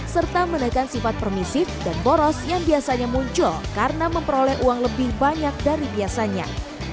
serta menekan sifat permisif dan boros yang biasanya muncul karena memperoleh uang lebih banyak dari biasanya